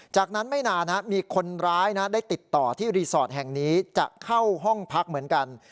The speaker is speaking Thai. จากนั้นไม่นานมีคนร้ายได้ติดต่อที่รีสอร์ทแห่งนี้จะเข้าห้องพักเหมือนกัน